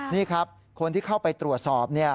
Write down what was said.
นี่ครับคนที่เข้าไปตรวจสอบเนี่ย